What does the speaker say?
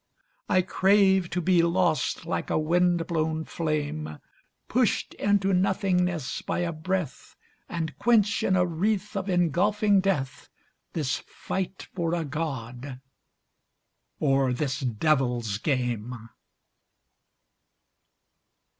I crave to be lost like a wind blown flame. Pushed into nothingness by a breath, And quench in a wreath Of engulfing death This fight for a God, or this devil's game.